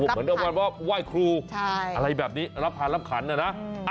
เหมือนกับวันว่าไหว้ครูอะไรแบบนี้รับทานรับขันนะนะ